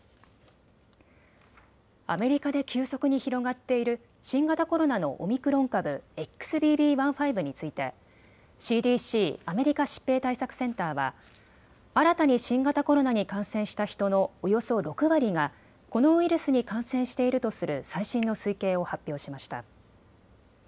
アメリカで急速に広がっている新型コロナのオミクロン株、ＸＢＢ．１．５についてＣＤＣ・アメリカ疾病対策センターは新たに新型コロナに感染した人のおよそ６割がこのウイルスに感染しているとする最新の推計を発表しました。